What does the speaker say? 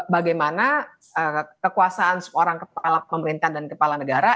bagaimana kekuasaan seorang kepala pemerintahan dan kepala negara